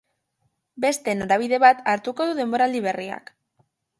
Beste norabide bat hartuko du denboraldi berriak.